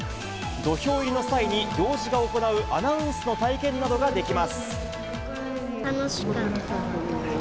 土俵入りの際に行司が行うアナウンスの体験などができます。